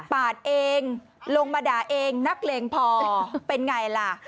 ปาดเองลงมาด่าเองนักเลงพอเป็นไงล่ะ